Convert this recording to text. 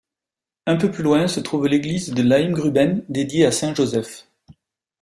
Un peu plus loin se trouve l'église de Laimgruben, dédiée à Saint-Joseph.